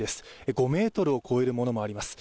５ｍを超えるものもあります。